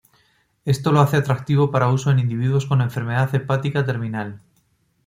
Esto lo hace atractivo para uso en individuos con enfermedad hepática terminal.